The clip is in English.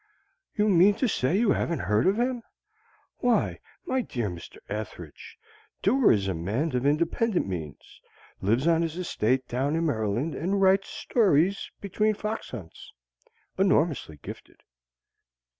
"You mean to say you haven't heard of him? Why, my dear Mr. Ethridge! Dewar is a man of independent means lives on his estate down in Maryland and writes stories between fox hunts. Enormously gifted."